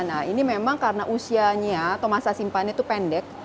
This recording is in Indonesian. nah ini memang karena usianya atau masa simpannya itu pendek